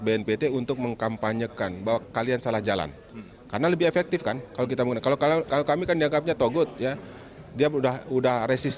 bapak komjen paul soehardi alius